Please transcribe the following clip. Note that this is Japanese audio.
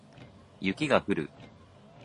雪が降る